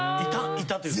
いたというか？